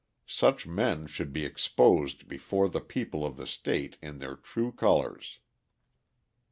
Such men should be exposed before the people of the state in their true colours.